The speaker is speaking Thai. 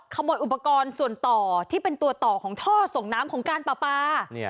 ขโมยอุปกรณ์ส่วนต่อที่เป็นตัวต่อของท่อส่งน้ำของการปลาปลา